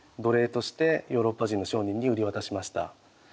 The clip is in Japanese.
奴隷としてヨーロッパ人の商人に売り渡しました。